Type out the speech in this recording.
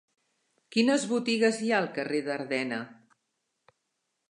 Quines botigues hi ha al carrer d'Ardena?